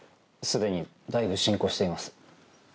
すでにだいぶ進行しています。